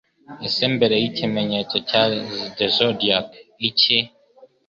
Ese mbere ikimenyetso The Zodiac iki?